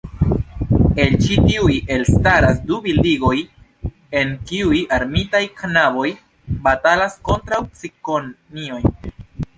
El ĉi tiuj elstaras du bildigoj, en kiuj armitaj knaboj batalas kontraŭ cikonioj.